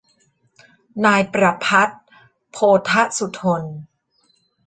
นายประภัตร โพธสุธน